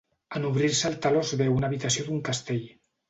En obrir-se el teló es veu una habitació d'un castell.